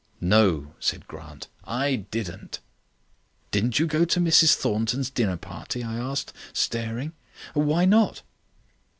"No," said Grant, "I didn't." "Didn't you go to Mrs Thornton's dinner party?" I asked, staring. "Why not?"